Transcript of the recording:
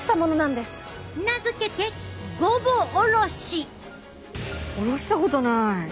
名付けて「ごぼおろし」！おろしたことない。